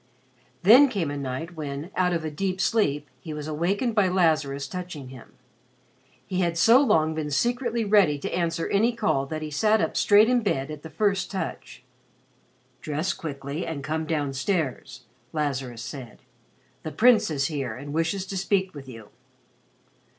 Then came a night when, out of a deep sleep, he was awakened by Lazarus touching him. He had so long been secretly ready to answer any call that he sat up straight in bed at the first touch. "Dress quickly and come down stairs," Lazarus said. "The Prince is here and wishes to speak with you."